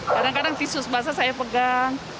kadang kadang visus basah saya pegang